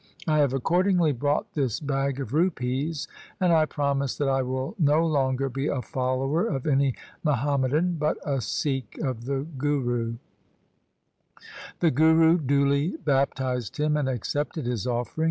I have accordingly brought this bag of rupees, and I promise that I will no longer be a follower of any Muhamma dan, but a Sikh of the Guru.' The Guru duly bap tized him and accepted his offering.